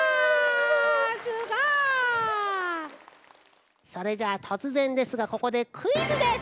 すごい！それじゃあとつぜんですがここでクイズです。